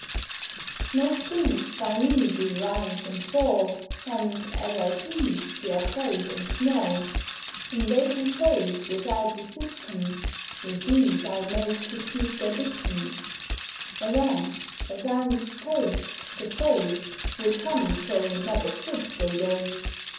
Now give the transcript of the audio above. Most things by me do rise and fall, And, as I please, they're great and small; Invading foes without resistance, With ease I make to keep their distance: Again, as I'm disposed, the foe Will come, though not a foot they go.